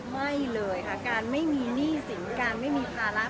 ไม่เลยค่ะการไม่มีหนี้สินการไม่มีภาระ